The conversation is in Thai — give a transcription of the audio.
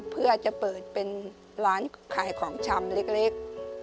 เพื่อจะเปิดเป็นร้านขายของชำเล็ก